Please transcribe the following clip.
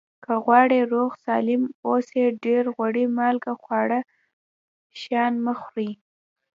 که غواړئ روغ سالم اوسئ ډېر غوړي مالګه خواږه شیان مه خوری